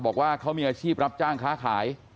บอกว่าเขามีอาชีพรับจ้างค้าขาย